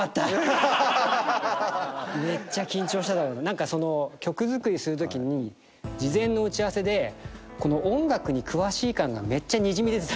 何かその曲作りするときに事前の打ち合わせで音楽に詳しい感がめっちゃにじみ出てたんですよ。